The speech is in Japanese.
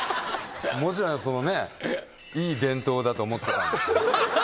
もちろんそのねいい伝統だと思ってたんで。